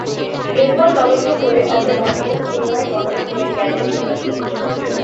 এরপর তদন্ত করে অথবা ভোট পুনরায় গণনা করে গেজেট প্রকাশ করত।